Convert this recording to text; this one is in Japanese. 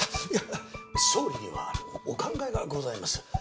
いや総理にはお考えがございます。